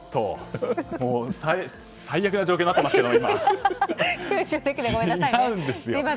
最悪な状況になっていますけど。